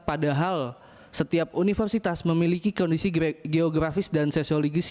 padahal setiap universitas memiliki kondisi geografis dan sosiologis